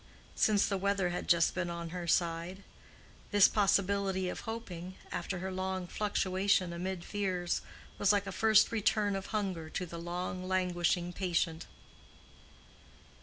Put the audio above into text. —since the weather had just been on her side. This possibility of hoping, after her long fluctuation amid fears, was like a first return of hunger to the long languishing patient.